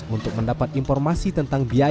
untuk mendapat informasi tentang biaya